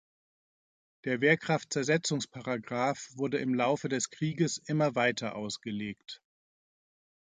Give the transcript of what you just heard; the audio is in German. Der Wehrkraftzersetzungs-Paragraph wurde im Laufe des Krieges immer weiter ausgelegt.